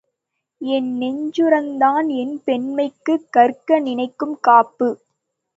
என் நெஞ்சுரம்தான் என் பெண்மைக்கு–கற்பு நிலைக்குக் காப்பு.